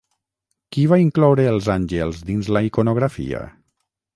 Qui va incloure els àngels dins la iconografia?